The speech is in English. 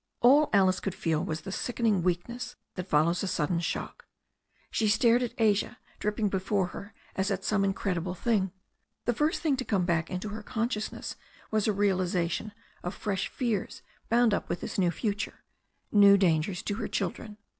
All Alice could feel was the sickening weakness that fol lows a sudden shock. She stared at Asia dripping before her as at some incredible thing. The first thing to come back to her consciousness was a realization of fresh fears bound up with this new future — new dangers to her chil dren.